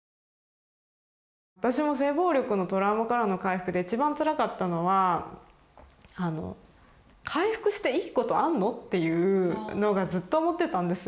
私も性暴力のトラウマからの回復で一番つらかったのは「回復していいことあんの？」っていうのがずっと思ってたんですよ。